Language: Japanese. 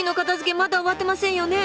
まだ終わってませんよね。